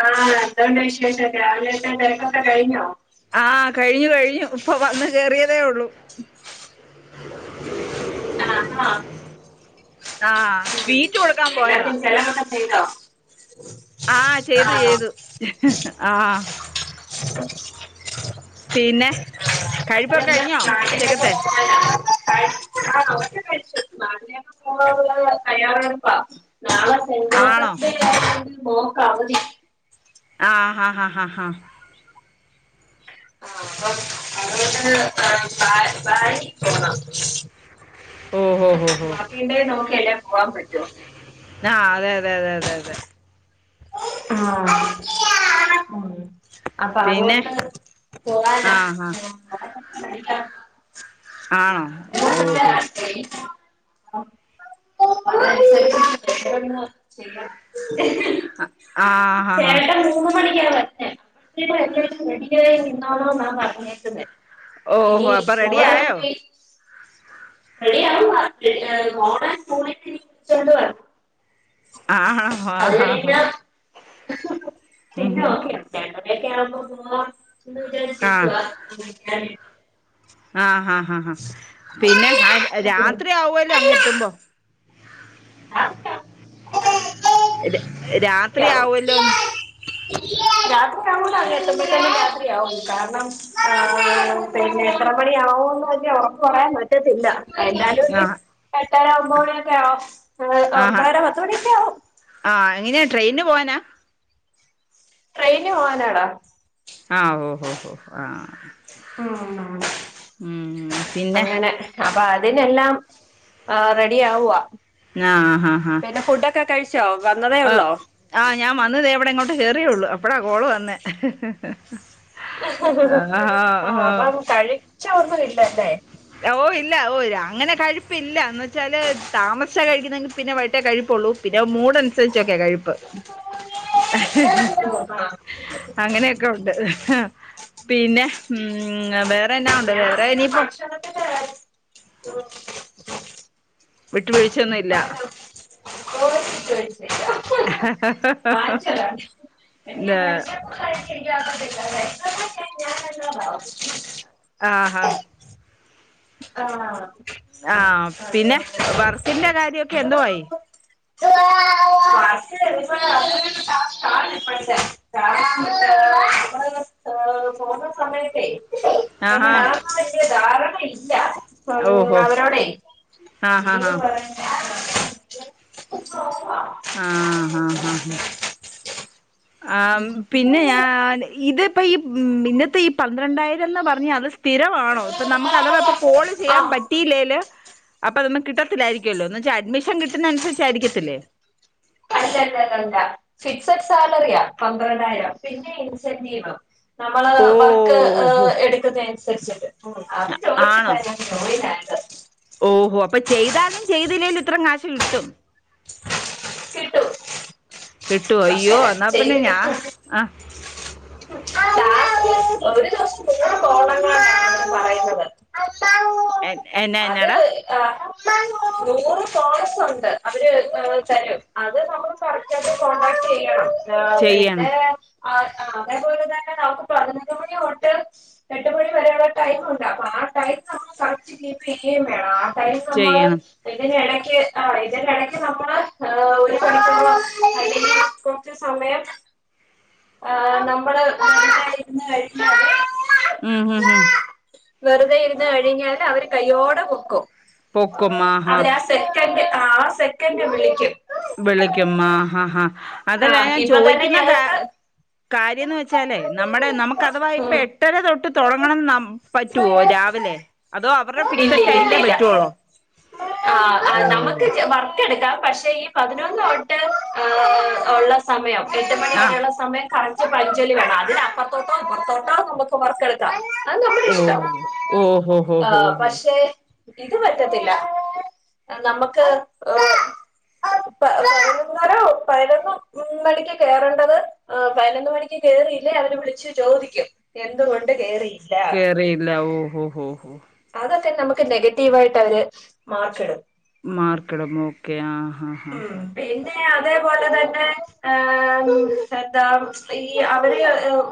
ആഹ് ന്തൊണ്ട് വിശേഷക്കെ രാവിലത്തെ തിരക്കൊക്കെ കഴിഞ്ഞോ? ആഹ് കഴിഞ്ഞു കഴിഞ്ഞു ഇപ്പൊ വന്ന് കേറിയതേ ഒള്ളൂ [inaudible] ആഹ് സ്വീറ്റ് കൊടുക്കാൻ പോയതാ. എല്ലാർക്കും ചെലവൊക്കെ ചെയ്തോ? ആഹ് ചെയ്തു ആണോ ചെയ്തു ആഹാ [unintelligible] [inaudible] പിന്നെ കഴിപ്പൊക്കെ കഴിഞ്ഞോ ഉച്ചക്കത്തെ ആഹ് ദോശകഴിച്ചു [unintelligible] പോവനുള്ള തയ്യാറെടുപ്പാ. നാളെ ആണോ സെന്റ്ജോസഫ്ഡേയോണ്ട് മോക്ക് അവധി. ആ ആഹ ആ ഹാ ഹാ. [unintelligible] ഓ ഹോ ഹോ ഹോ വാക്കിങ്ഡേ നോക്കില്ലേ പോവാൻ പറ്റോ. ആഹ് അതെ അതെ അതെ അതെ അതെ ആഹ് ഉംഹ് അപ്പ അതു പിന്നെ കൊണ്ട് പോവാനാ ആഹ് [unintelligible] ആണോ ഓഹോ [unintelligible] ആ [unintelligible] ചെയ്യാൻ [unintelligible] ആഹ് ഹാ ഹാ ചേട്ടൻ [unintelligible] [unintelligible] അല്ല റെഡിയായി ന്നാണോ എന്ന പറഞ്ഞേക്കുന്നേ മിനി ഓഹോ അപ്പൊ റെഡി ആയോ മോളെവിടെപ്പോയി? റെഡിയവുവ മോളെ സ്‌കൂളിന്ന്ചെ വിളിച്ചോണ്ട് വരണം. ആഹ് ആഹാ പിന്നോക്കെയല്ലേ അങ്ങനെയെക്കാവുമ്പോ പോവാന്ന് ആഹ് വിചാരിച്ചിരിക്കിവാ [inaudible] ഉ [unintelligible] ആഹ് ഹ ഹ ഹ പിന്നെ ആഹ് രാ രാത്രി ആവല്ലോ അങ്ങ് എത്തുമ്പോ ര രാത്രിയാവും രാത്രിയാവൊല്ലോന്ന് രാത്രിയാവൂല്ലോ അങ്ങെത്ത്മ്പേത്തിന് രാത്രിയാവും കാരണം ആഹ് പിന്നെ എത്രമണിയാവൊന്ന് ഒറപ്പ് പറയാൻ പറ്റത്തില്ല എന്താലൊരു ആ എട്ടര ഒമ്പതുമണിയൊക്കെയാവും ഹ് ആഹാ ഒമ്പതര പത്തുമണിയൊക്കെയാവും. ആ എങ്ങനെയാ ട്രെയിന് പോവാനാ? ട്രെയിന് പോവാനാടാ ആഹ് ഓ ഹൊ ഹൊ അഹ് ഉം മ്ഹ് മ്മ്ഹ് പിന്നെ അപ്പ അതിനെല്ലാം ആ റെഡിയാവുവാ.. ഞാ ആഹ് ഹാ ഹാ ഫുഡൊക്കെ കഴിച്ചോ? വന്നതേ ഉള്ളോ? ആഹ്, ഞാൻ വന്ന്തേയിവിടെ ഇങ്ങോട്ട് കേറിയൊള്ളു അപ്പളാ കോള് വന്നേ ആ ആ. ആഹ് അപ്പം കഴിച്ചന്നുമില്ലലേ? ഓ ഇല്ല. ഓ അങ്ങനെ കഴിപ്പില്ല, എന്ന് വെച്ചാല് താമസിച്ചാ കഴിക്കുന്നതെങ്കില് പിന്നെ വട്ടേ കഴിപ്പൊള്ളൂ. പിന്നെ മൂഡനുസരിചൊക്കെയാ കഴിപ്പ് ഓ അഹ് [inaudible] അങ്ങനെയൊക്കെ ഒണ്ട് അഹ്. പിന്നെ മ്മ് ഹ് വേറെന്നാ ഉണ്ട് ഞാൻ വേറെ പിന്നെ ഇനിയിപ്പം ഭക്ഷണത്തിന്റെ കാര്യം വിട്ട് വീഴ്ച്ചയൊന്നുല്ല. [inaudible] വാങ്ങിച്ചതാണ് എനിക്ക് ന [inaudible] [inaudible] ആഹ് ഹ ആഹ് ആഹ് പിന്നെ [inaudible] വർക്കിന്റെ കാര്യൊക്കെ എന്തോ ആയി അപ്പ [inaudible] ് പോന്ന സമയത്തെ [inaudible] ആഹാ എങ്ങന ആക്ക വലിയ ധാരണയില്ല [inaudible] മ് ഓഹോ അവനോടെ ആഹാ ലീവ് ഹാ പറയാൻ [inaudible] ആഹ്... ഹ ഹ ആം പിന്നെ ഞാൻ ഇത് ഇപ്പൊ ഈമ് പിന്നത്തെ ഈ പന്ത്രണ്ടായിരംന്ന് പറഞ്ഞ അത് സ്ഥി സ്ഥിരമാണോ? ഇപ്പംനമ്മക്കഥവാ കോള് ആ ചെയ്യാൻ പറ്റിയില്ലേല് അപ്പ നമക്ക് കിട്ടത്തില്ലായിരിക്കുവല്ലോ. ന്ന് വെച്ചാ.. അഡ്മഷൻ കിട്ടുന്നൻസരിച്ചായിരിക്കത്തില്ലേ.. അല്ലല്ലല്ലല്ല. ഫിക്സഡ് സാലറിയാ പന്ത്രണ്ടായിരം പിന്നെ ഇൻസെന്റീവും നമ്മള് വർക്ക് ഓഹോ എടുക്കുന്നയനുസരിച്ചിട്ട് അത് ചോദിച്ചിട്ട തട്ട [inaudible] ഓ... അപ്പൊ ചെയ്താലും ചെയ്തില്ലേലും ഇത്രേം കാശ് കിട്ടും കിട്ടുവോ പ അയ്യോ എന്നാ ചെയ പിന്നെ ഞാ ആ [unintelligible] [inaudible] [inaudible] എന്നാ അത്... എന്നാടാ ആ... നൂറ് കോഴ്സുണ്ട് അവര് അ തരും. അത് നമ്മള് പാലിച്ചാല് കോടാക് ടെയ്യണം ആ ചെയ്യണം പിന്നേ.. ആഹ് ആ അതേപോലെ തന്നെ നമുക്ക് പതിനൊന്ന് മണി തൊട്ട് രണ്ട്മണിവരെ അവിടെ ടൈമുണ്ട്. അപ്പൊ ആ ടൈം നമ്മൾ കറക്റ്റ് കീപ്പെയ്യേം വേണം. ആ അ നമ്മള് ചെയ്യണം ഇതിന്റെ ഇടക്ക് ആ ഇതിന്റെ ഇടക്ക് നമ്മള് ഒരു പണിക്കള [unintelligible] അതികം കൊറച്ച് സമയം ആഹ് നമ്മള് ഇന്ന് കഴിഞ്ഞ [inaudible] ഉം ഹും ഹും വെറുതെ ഇരുന്ന് കഴിഞ്ഞാല് അവര് കയ്യോടെ പൊക്കും പൊക്കുമ്മാ ഹാ അവരാ സെ ക്കന്റ് ആഹ് അ സെക്കൻന്റ് വിളിക്കും വിളിക്കും ആ ഹ ഹാ അതല്ല ആഹ് ഞാൻ ഇപ്പൊ തന്നെ ചോദിക്കുന്ന കാ ഞങ്ങക്ക് കാര്യംന്ന് വെച്ചാലേ നമ്മുടെ നമുക്ക് അഥവാ ഇപ്പൊ ഉം എ ട്ടര തൊട്ട് താെടങ്ങണം ന്നാ പറ്റുവോ രാവിലെ അതോ അവരുടെ ഫിക്സഡ് ടൈമിലേ പറ്റുവോള്ളോ ഇല്ലില്ലില്ലില്ല ആ നമുക്ക് വർക്ക് എടുക്കാം പക്ഷേ ഈ പതിനൊന്ന് തൊട്ട് ആ ഉള്ള സമയം എട്ട് മണി ആ വരെയുള്ള സമയം കറച്ച് പഞ്ചലി വേണം അതില് അപ്പറത്തോട്ടോ ഇപ്പറത്തോട്ടോ നമുക്ക് വർക്കെടുക്കാം അത് നമ്മടെ ഇഷ്ടം ഓഹോ ആ പക്ഷെ ഇത് പറ്റത്തില്ല നമ്മക്ക് ഏ പതിനൊന്നര പതിനൊന്നണിക്ക് കേയറേണ്ടത് ആ പതിനൊന്ന് മണിക്ക് കേയറിയില്ലേ അവര് വിളിച്ച് ചോദിക്കും എന്തുകൊണ്ട് കേറിയി കേറിയില്ല ഓഹോ ഓഹോ ഹോ അതൊക്കെ നമുക്ക് നെഗറ്റീവായിട്ട് അവര് മാർക്കിടും മർക്കിടും ഓകെ ആ ഹാ ഹാ ഉം ഹാ പിന്നെ അതേപോലെ തന്നെ എന്താ ഈ അവര്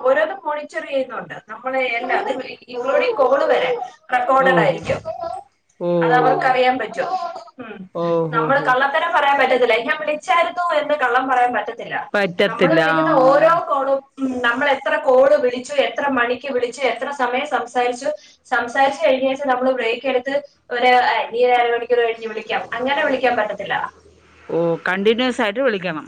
ഓരോന്നും ചെറിയുന്നുണ്ട് നമ്മളെ എല്ലാ വടെ കോള് വരെ ഓ റെക്കോർഡഡ് ഹോ ആയിരിക്കും അത് ഓ അവർക്കറിയാൻ പറ്റും ഉം ഓ ഹോ നമ്മള് ഹോ കള്ളം ഉത്തരം പറയാൻ പറ്റത്തില്ല എന്നെ വിളിച്ചായിരുന്നു എന്ന് കള്ളം പറയാൻ പറ്റത്തില്ല നമ്മള് പറ്റത്തില്ല വിളിക്കുന്ന ആഹ് ഓരോ കോളും ഉം നമ്മൾ എത്ര കോള് വിളിച്ചു എത്ര മണിക്ക് വിളിച്ചു എത്ര സമയം സംസാരിച്ചു സം പക്ഷേ ഒരു ദിവസം നമ്മള് ബ്രെയ്ക്കെട്ത്ത് ഒര് [unintelligible] കഴിഞ്ഞ് വിളിക്കാം അങ്ങേരനെ വിളാൻ പറ്റത്തില്ല ഓ കണ്ടിന്യൂസ് ആയിട്ട് വിളിക്കണം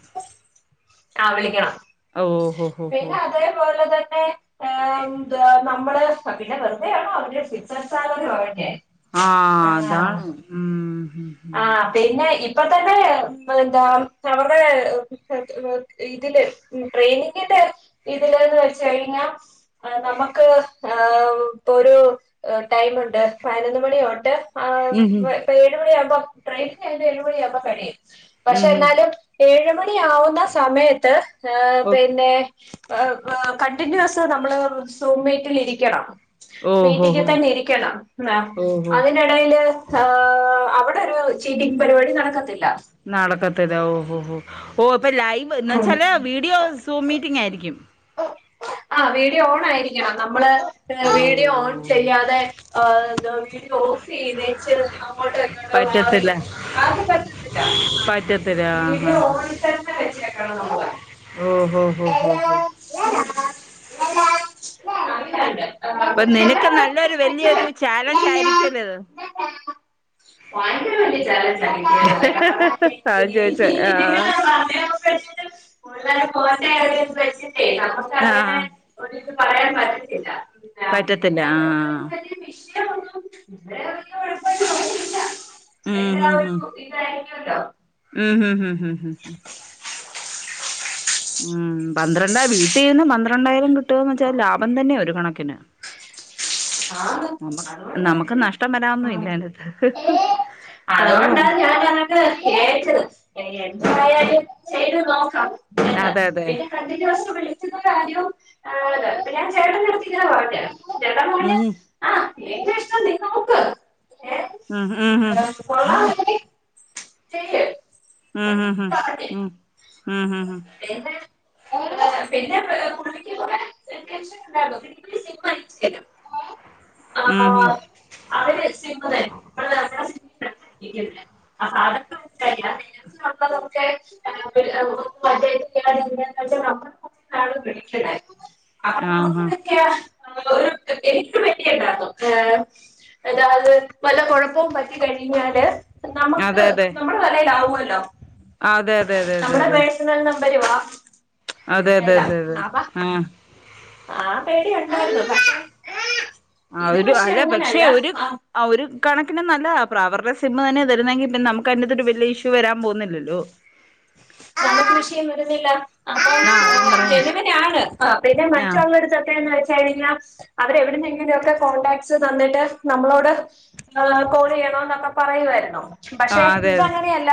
ആ വിളിക്കണം ഓ ഹോ ഹോ ഹോ പിന്നെ അതേപോലെ തന്നെ ഏ ഏഹ് നമ്മള് പിന്നെ വെറുതെയാണോ അവര് ഫിക്സെഡ് സാലറി പറഞ്ഞെ ആ അതാണ് ഉം ഉം ആ പിന്നെ ഇപ്പ തന്നെ എന്താ അവര്ടെ [unintelligible] ഇതില് ട്രെയിനിങ്ങിന്റെ ഇതില്ന്ന് വെച്ച കഴിഞ്ഞാ ഏഹ് നമുക്ക് ഏഹ് പ്പൊരു ടൈമ്ണ്ട് പയ്നൊന്ന് മണി തൊട്ട് ഉം ഉം ഇപ്പ ഏഴു മണിയാകുമ്പോ ട്രെയിനിങ് ഏഴ്മണിയാകുമ്പോ കഴിയും ഉം ഉം പക്ഷെന്നാലും ഏഴ്മണി ആവുന്ന സമയത്ത് ഹ ഓ പിന്നെ [unintelligible] കണ്ടിന്യൂസ് നമ്മള് സൂമീറ്റിൽ ഇരിക്കണം ഓഹോ മീറ്റിങ് ഹോ തന്നെരിക്കണം ഓഹോ അതിനിടൽ അവിടെ ചീറ്റിംങ്ങ് പരിപാടി നടക്കത്തില്ല നാടക്കത്തില്ല ഓഹോ ഹോ ഓ പ്പൊ ലൈവ് എന്ന് ആഹ് വെച്ചാല് വീഡിയോ സൂം മീറ്റിംങ്ങായിരിക്കും ആ വീഡിയോ ഓൺ ആയിരിക്കണം നമ്മള് ഓ വീഡിയോ ഓൺ ചെയ്യാതെ ആ എന്തുവ വീഡിയോ ഓഫ് ചെയ്തേച്ച് അങ്ങോട്ടോ ഇങ്ങോട്ടോ മാറി പറ്റത്തില്ല അതൊന്നും പറ്റത്തില്ല ആ പറ്റത്തില്ല ആഹ് വീഡിയോ ആഹ് ഓണിൽത്തന്നെ വെച്ചേക്കണം നമ്മള് ഓ ഹോ ഹോ ഹോ ഹോ [unintelligible] പ്പോ നിനക്ക് നല്ലൊരു വലിയൊരു ചാലഞ്ച് ആയിരിക്കല്ലോ ഇത് അങ്ങനെയല്ല ഇത് അതാ ചോദിച്ചേ ആഹ് [unintelligible] [unintelligible] ആഹാ ഒരിത് പറയാൻ പറ്റത്തില്ല [inaudible] പറ്റത്തില്ല ആഹ് [unintelligible] ഉം എല്ലാ ഒരു ഇതായിരിക്കുമല്ലോ. ഉംഹും ഉംഹും ഉംഹും ഉം. പന്ത്രണ്ട വീട്ടിലിരുന്ന് പന്ത്രണ്ടായിരം കിട്ടുകാന്ന് വെച്ചാൽ ലാഭം തന്നെയ ഒരു കണക്കിന്! ആന്നു. നമ്മ അതുകൊണ്ടാ! നമുക്ക് നഷ്ടം വരാനൊന്നും ഇല്ല അതിനകത്ത് അതാ പറഞ്ഞെ അതുകൊണ്ടാണ് ഞാനതൊക്കെ ഏറ്റത്. എന്തായാലും ചെയ്ത് നോക്കാം. അതെ അതെ [unintelligible] [unintelligible] ഉം! [unintelligible] നിന്റ ഇഷ്ടം നീ നോക്ക് ഏ ഉം ഉംഹും കൊള്ളാം! ട് [unintelligible] [unintelligible] ഉം ഹും ഹും ഉം ഉം ഹും ഹും [unintelligible] ആഹാ ഉം ഹും അവര് [unintelligible] [unintelligible] [unintelligible] ആഹ് ഹാ [unintelligible] [unintelligible] അതായ്ത് വല്ല കൊഴപ്പോം പറ്റി കഴിഞ്ഞാല് ന അതെ അതെ! തലേലാവ്വോല്ലോ അതെ അതെ അതെ അതെ അതെ! നമ്പരുവാ അതെ അതെ എല്ലാം അതെ അതെ ആവാം! ആഹ് ആ പേടിയൊണ്ടായിരുന്നു പഷേ ആ ഒരു അല്ല പക്ഷെ ഒരു! ആ ഒരു കണക്കിനു നല്ലതാ. അ അവരുടെ സിമ്മ് തന്നെ വരുന്നെതെങ്കിൽ പിന്നെ നമു! [unintelligible] വെല്ല്യെ ഇഷ്യു വരാൻ പോന്നില്ലല്ലോ വാഴ കൃഷിയും വരുന്നില്ല! അപ്പൊ ആ അതാ ഞാൻ പറഞ്ഞെ ജനുവിനാണ്. പിന്നെ ആ മറ്റുള്ളടത്തൊക്കേന്ന് വെച്ച് കഴിഞ്ഞാൽ? അവര് എവിടുന്നേങ്കിലൊക്കെ കോണ്ടാക്റ്റ്സ് തന്നിട്ട് നമ്മളോട് ആഹ് കോളെയ്യെണോന്നൊക്കെ പറയുവായ്രുന്നു. ആ പക്ഷെ അതെ അതെ ഇതങ്ങനെയല്ല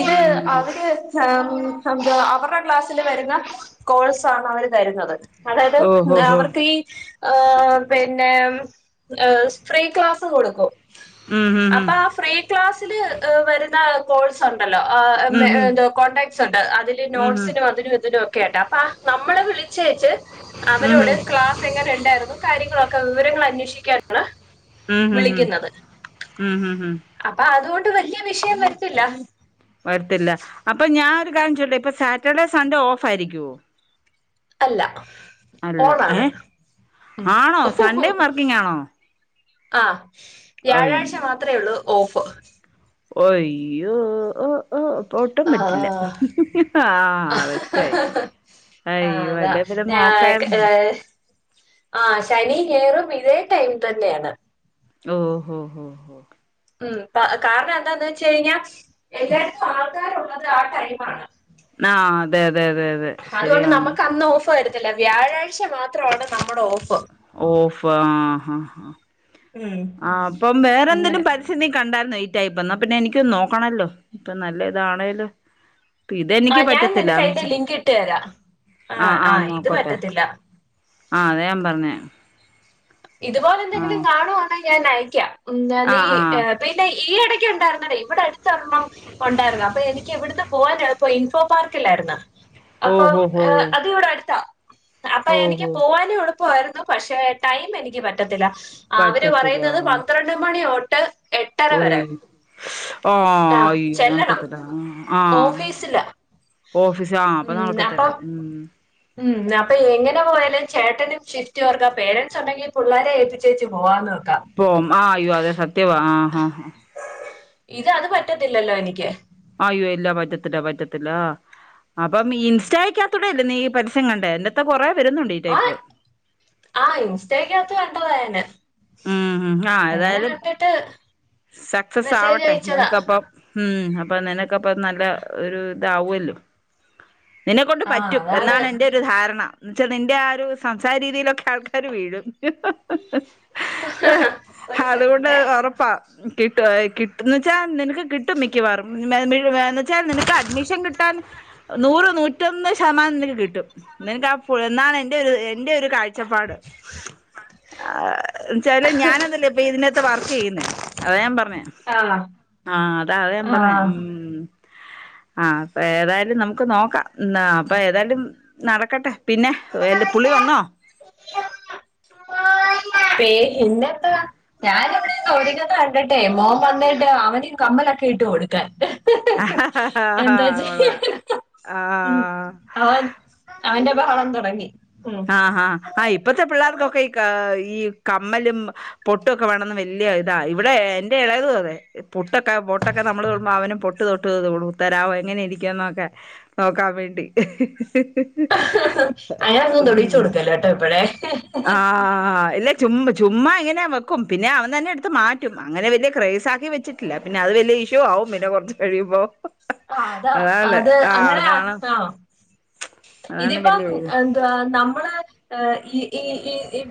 ഇത്? ഉം അവര് അവരുടെ ക്ലാസ്സിൽ വരുന്ന കോഴ്സആണ് അവര് തരുന്നത്. അതായ്ത് ഓ ഹോ ഹോ അവർക്ക് ഈ ആഹ്! പിന്നെ ഫ്രീ ക്ലാസ് കൊടുക്കും. ഉം ഉം അപ്പ ആ ഫ്രീ ക്ലാസിലു വരുന്ന കോഴ്സ് ഉണ്ടല്ലോ! ഉം ഉം എന്തുവാ കോടാക്ട്സ് ഉണ്ട്. അതില് ഉം നോട്ട്സിനും അതിനും ഇതിനും ഒക്കെ ആയിട്ട് അപ്പ നമ്മള് വിളിച്ചേച്ച്! ഉം ഉം ഉം അവരോട് ക്ലാസ് എങ്ങനെ ഉണ്ടായിരുന്നു? കാര്യങ്ങളൊക്കെ വിവരങ്ങൾ അന്വേഷിക്കാനുള്ള! ഉം ഉം ഉം ഉം വിളിക്കുന്നത്. ഉം ഉം ഉം അപ്പൊ അതുകൊണ്ട് വലിയ വിഷയം വരത്തില്ല! വരുത്തില്ല. അപ്പൊ ഞാൻ ഒരു കാര്യം ചോയ്ക്കട്ടെ. ഇപ്പൊ സാറ്റർഡേ സൺഡേ ഓഫ് ആയിരിക്കുമോ? അല്ല അല്ല. ഓണാണ് ഏഹ്! ആണോ? സൺഡേ വർക്കിങ് ആണോ? ആഹ്! വ്യാഴാഴ്ച അയ് മാത്രമേ ഉള്ളൂ ഓഫ്. ഒയ്യോ ഓഹ്! ഓ അപ്പോ ഒട്ടും പറ്റില്ല ആ ആഹ് ബെസ്റ്റായി. ആഹ് അയ്യോ അതാ അല്ലേ പിന്നെ ഞ നോക്കായിരുന്നു ഏഹ് ആഹ് ശനിയും ഞെയറും ഇതേ ടൈം തന്നെയാണ് ഓഹ് ഹോ ഹോ ഹോ. ഉം കാരണം എന്താന്ന് വെച്ച് കഴിഞ്ഞാ എല്ലാവർക്കും ആൾക്കാരുള്ളത് ആ ടൈമാണ്. ആഹ് അതെ അതെ അതെ അതെ. ഹതുകൊണ്ട് ശരിയാണ് നമുക്കന്ന് ഓഫ് വരുത്തില്ല വ്യാഴാഴ്ച മാത്രമാണ് നമ്മുടെ ഓഫ് ഓഫ് ആഹ് ഹ ഹ ഉം അപ്പം വേറെ എന്തേലും അങ്ങനെ പരി [unintelligible] നീ കണ്ടാരുന്നോ ഈ ടൈയ്പ് എന്നാ പിന്നെ എനിക്കൊന്ന് നോക്കണല്ലൊ ഇത്ര നല്ലെതാണേലും ആ പിതെനിക്ക് ഞാൻ നിനക്ക് പറ്റത്തില്ലന്ന് അതിന്റെ വെച്ചാ ലിങ്ക് ഇട്ട് തരാം ആ ആ നോക്കട്ടെ ആഹ് അതാ ഞാൻ പറഞ്ഞേ. ഇതുപോലെ എന്തെങ്കിലും ആഹ് കാണുവാണേ ഞാൻ അയക്കാം ഞാനീ ആഹ് ആഹ് ഏഹ് [unintelligible] ഈ എടയ്ക്ക് ണ്ടായിരുന്നടെ ഇവ്ടെ അടുത്തൊരെണ്ണം ഒണ്ടായിരുന്നു അപ്പൊ എനിക്ക് എവിടുന്ന് പോവാനെളുപ്പൊ ഇൻഫോ പാർക്കിലായിരുന്നു അപ്പൊ ഓഹോ ഹോ അത് ഇവിടെ അടുത്താ. അപ്പൊ എനിക്ക് ഓഹോ പോവാനും എളുപ്പമായിരുന്നു പക്ഷെ ടൈം എനിക്ക് പറ്റത്തില്ല. അവര് പറ്റത്തില്ല പറയുന്നത് പന്ത്രണ്ട് മണി തൊട്ട് എട്ട് ഓയ് ആ ആഹ് അയ്യോ അത് ചെല്ലണം നടക്കത്തില്ല ആഹ്. ഓഫീസിലാ ഓഫീസി ആഹ് അപ്പ ഉം അപ്പം [unintelligible] ഊം. ഉം അപ്പൊ എങ്ങനെ പോയാലും ചേട്ടനും ഷിഫ്റ്റ് വർക്കാ പേരൻസ് ഉണ്ടെങ്കി പുള്ളേരെ ഏൽപ്പിച്ചോലും പോവാന്ന് വെക്കാം. പോം ആഹ് അയ്യോ അതെ സത്യവാ ആഹ് ഹ ഹ. ഇതത് പറ്റത്തില്ലല്ലോ എനിക്ക് ആയ്യൊ ഇല്ല പറ്റത്തില്ല പറ്റത്തില്ലാ അപ്പം ഇൻസ്റ്റയ്ക്കാത്തൂടെ അല്ലേ നീ ഈ പരസ്യം കണ്ടേ ഇങ്ങനത്തെ കൊറേ വരുന്നുണ്ട് ഈ ടൈയ്പ്. ആഹ് ഇൻസ്റ്റയ്ക്കാത്ത് കണ്ടതാ ഞാന് ഉം ഉം ആ അങ്ങനെ ഏതായാലും കണ്ടിട്ട് സക്സസ് മെസ്സേജ് ആവട്ടെ അയച്ചതാ നിനക്കപ്പം ഊം അപ്പൊ നെനക്കപ്പ നല്ല ഒരു താവ്വല്ലോ നിന്നെ ക്കൊണ്ട് ആ പറ്റും അതാണ് എന്നാണ് എൻ്റെ ധാരണ എന്ന് വെച്ചാ നിന്റെ ആ ഒരു സംസാര രീതിയിലൊക്കെ ആൾക്കാര് വീഴും. അ ഹ ഹ ഹതുകൊണ്ട് ഉറപ്പാ. കിട്ടും കിട്ടുന്ന് വെച്ചാ നിനക്ക് കിട്ടും മിക്കവാറും മി വി നീ എന്ന് വെച്ചാ നിനക്ക് അഡ്മിഷൻ കിട്ടും. ട്ടാൻ നൂറിൽ നൂറ്റൊന്ന് ശതമാനം നിനക്ക് കിട്ടും നിനക്ക് ആ എന്നാണ് എൻ്റെ ഒരു ന്റെ ഒരു കാഴ്ചപ്പാട് [unintelligible] ച്ചാല് ഞാനതല്ലെ ഇപ്പൊ ഇതിനകത്ത് വർക്കെയ്യുന്നേ അതാ ഞാൻ പറഞ്ഞെ ആ ആഹ് അതാ അതാ ഞാൻ പറഞ്ഞെ ഉം ഉം ആഹ് അപ്പോ ഏതായാലും നമുക്ക് നോക്കാം അപ്പൊ ഏതായാലും നടക്കട്ടെ പിന്നെ [unintelligible] പുള്ളി ആ വന്നോ? പേ ഇന്നെത്താ ഞാനിവിടെന്ന് ഒരുങ്ങുന്നെ കണ്ടിട്ടെ മോം വന്നിട്ട് അവനും കമ്മലൊക്കെ ഇട്ട് കൊടുക്കാൻ ! ! ! ! എന്താ ! ! ! ! ! ! ചെയ്യാ കൊളളാം ആ ഉം ആഹ് അവൻ അവന്റെ ബഹളം തൊടങ്ങി ഉം ആഹ് ആ ഇപ്പത്തെ പിള്ളേർക്കൊക്കയി ഈ കമ്മലും പൊട്ടുക്കെ വേണം എന്ന് വല്യ ഇതാ ഇവടെ എന്റെ എളേതും അതെ പൊട്ടൊക്കെ പൊട്ടൊക്കെ നമ്മള് തൊടുമ്പോ അവനും പൊട്ട് പൊട്ട് തൊട്ട് തരാവോ എങ്ങനെ ഇരിക്കുന്നൊക്കെ നോക്കാൻ വേണ്ടി ! ! ! ! ! അങ്ങനെയൊന്നും തൊടിയിച്ച് ഉം കൊടുക്കല്ലെ ട്ടോ പ്പഴേ ചുമ്മ് ചുമ്മാ ഇങ്ങനെ വെക്കും പിന്നെ അവൻ തന്നെ എടുത്ത് മാറ്റും അങ്ങനെ വലിയ ക്രേസ്സാക്കി വെച്ചി ഇല്ല പിന്ന അത് വല്യ [unintelligible] ആവും പിന്ന കൊർച്ച് കഴിയുമ്പൊ ഹ ആഹ് അതാ അത് അങ്ങനെ ആഹ് അതാണ് ഇതിപ്പം വലിയ ഇത് ഏഹ് ദ നമ്മള് എ ഈ ഇ ഈ